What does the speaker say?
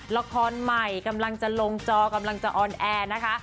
ละครใหม่กำลังจะลงจอกำลังจะออนแอร์นะคะ